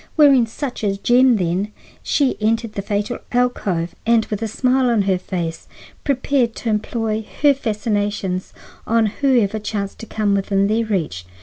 Wearing such a gem, then, she entered the fatal alcove, and, with a smile on her face, prepared to employ her fascinations on whoever chanced to come within their reach.